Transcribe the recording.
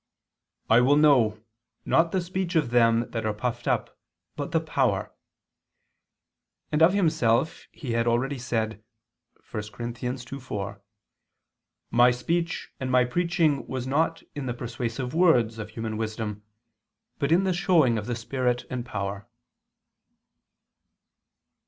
. will know, not the speech of them that are puffed up, but the power": and of himself he had already said (1 Cor. 2:4): "My speech and my preaching was not in the persuasive words of human wisdom, but in the showing of the spirit and power."